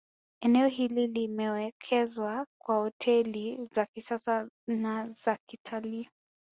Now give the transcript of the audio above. Eneo hili limewekezwa kwa hoteli za kisasa na zakitalii